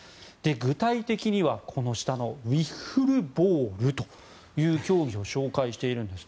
具体的には、この下にあるウィッフルボールという競技を紹介しているんです。